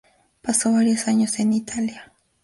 Pasó varios años en Italia.